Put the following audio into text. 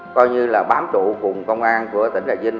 coi như là bám trụ cùng công an của tỉnh trà vinh